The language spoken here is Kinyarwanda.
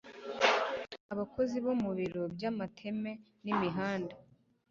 abakozi bo mu biro by'amateme n'imihanda